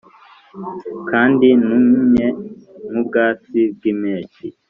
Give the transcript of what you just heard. Kandi numye nkubwatsi bwimpeshyi